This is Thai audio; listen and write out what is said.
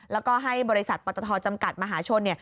แล้วก็ให้บริษัทปตทจำกัดมหาชน